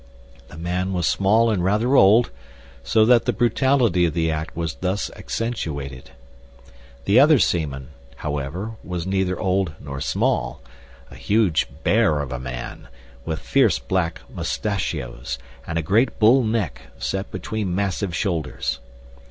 The man was small and rather old, so that the brutality of the act was thus accentuated. The other seaman, however, was neither old nor small—a huge bear of a man, with fierce black mustachios, and a great bull neck set between massive shoulders.